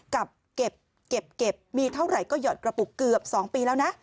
กับเก็บมีเท่าไหร่ก็หยอดกระปุกเกือบ๒ปีแล้วนะ